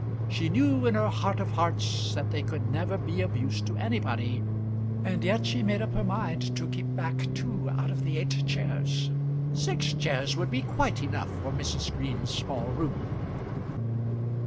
She knew in her heart of hearts that they could never be of use to anybody, and yet she made up her mind to keep back two out of the eight chairs. Six chairs would be quite enough for Mrs. Green's small room.